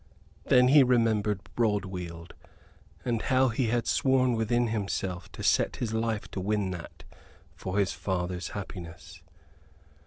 Then he remembered Broadweald, and how he had sworn within himself to set his life to win that, for his father's happiness.